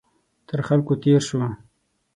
تر خلکو تېر شو.